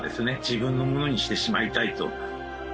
自分のものにしてしまいたいと。